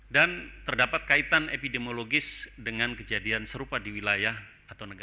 dan terdapat kaitan epidemiologis dengan kejadian serupa di wilayah atau negara